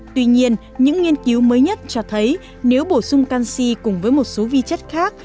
tuy nhiên những nghiên cứu mới nhất cho thấy nếu bổ sung canxi cùng với một số vi chất khác